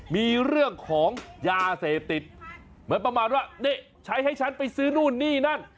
มีเรื่องของยาเสพติดเหมือนประมาณว่านี่ใช้ให้ฉันไปซื้อนู่นนี่นั่น